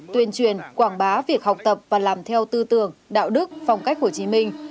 tuyên truyền quảng bá việc học tập và làm theo tư tưởng đạo đức phong cách hồ chí minh